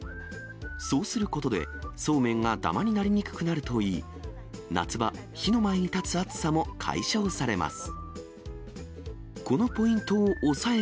そうすることで、そうめんがだまになりにくくなると言い、夏場、火の前に立つ暑さも解消されます。